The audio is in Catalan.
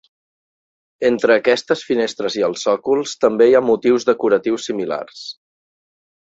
Entre aquestes finestres i els sòcols també hi ha motius decoratius similars.